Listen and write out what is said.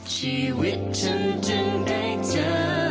ชีวิตฉันจึงได้เจอ